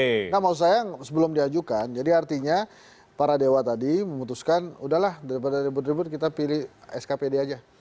nggak mau sayang sebelum diajukan jadi artinya para dewa tadi memutuskan udahlah daripada ribut ribut kita pilih skpd aja